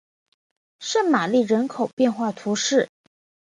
圣玛丽人口变化图示